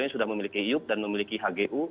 sudah memiliki iup dan memiliki hgu